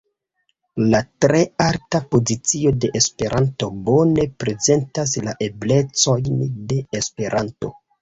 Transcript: La tre alta pozicio de Esperanto bone prezentas la eblecojn de Esperanto.